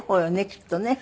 きっとね。